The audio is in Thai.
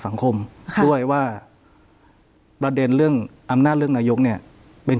สังคมด้วยว่าประเด็นเรื่องอำนาจเรื่องนายกเนี่ยเป็น